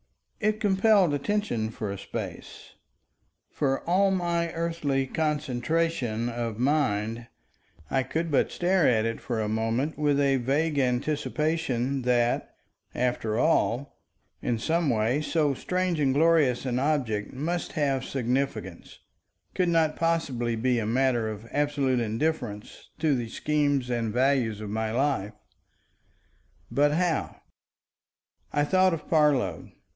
It compelled attention for a space. For all my earthly concentration of mind, I could but stare at it for a moment with a vague anticipation that, after all, in some way so strange and glorious an object must have significance, could not possibly be a matter of absolute indifference to the scheme and values of my life. But how? I thought of Parload.